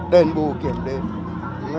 đền bù kiện đền